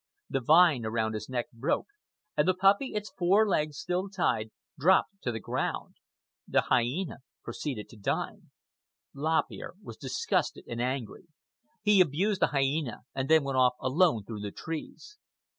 The vine around his neck broke, and the puppy, its four legs still tied, dropped to the ground. The hyena proceeded to dine. Lop Ear was disgusted and angry. He abused the hyena, and then went off alone through the trees.